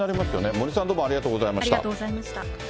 森さん、どうもありがとうございありがとうございました。